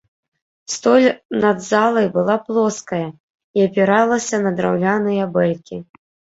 Столь над залай была плоская і апіралася на драўляныя бэлькі.